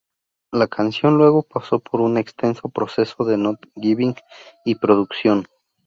La canción luego pasó por un extenso proceso de note-giving y producción.